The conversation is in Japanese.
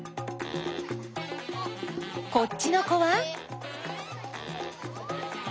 こっちの子は？